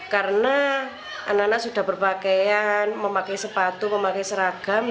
karena anak anak sudah berpakaian memakai sepatu memakai seragam